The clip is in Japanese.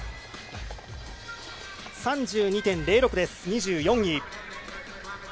３２．０６で２４位。